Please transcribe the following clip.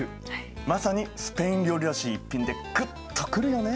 まさにスペイン料理らしい一品でグッとくるよね。